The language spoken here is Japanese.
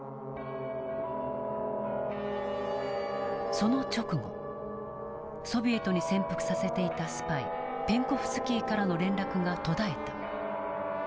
その直後ソビエトに潜伏させていたスパイペンコフスキーからの連絡が途絶えた。